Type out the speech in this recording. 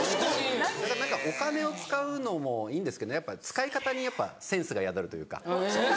何かお金を使うのもいいんですけど使い方にやっぱセンスが宿るというか。